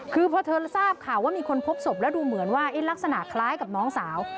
คือพอเธอทราบข่าวว่ามีคนพบศพแล้วดูเหมือนว่าลักษณะคล้ายกับน้องสาว